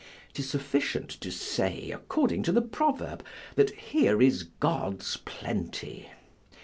'Tis sufficient to say, according to the proverb, that here is God's plenty.